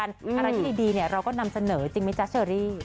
อะไรที่ดีเราก็นำเสนอจริงไหมจ๊ะเชอรี่